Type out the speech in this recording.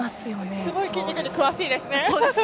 すごい筋肉に詳しいですね。